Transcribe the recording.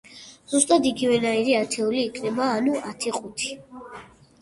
ზუსტად იგივენაირი ათეული იქნება, ანუ ათი ყუთი.